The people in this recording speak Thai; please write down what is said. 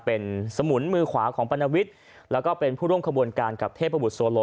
เป็นสมุนมือขวาของปรณวิทย์แล้วก็เป็นผู้ร่วมขบวนการกับเทพบุตรโซโล